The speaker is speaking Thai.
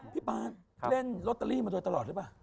ปาร์ดเล่นลอตเตอรี่มาโดยตลอดหรือเปล่า